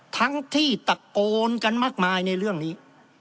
ทั้งที่ตะโกนกันมากมายในเรื่องนี้